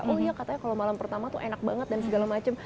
oh iya katanya kalau malam pertama tuh enak banget dan segala macem